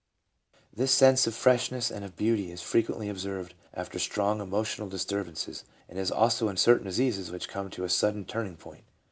This sense of freshness and of beauty is frequently observed after strong emotional disturbances, and also in certain diseases which come to a sudden turning point.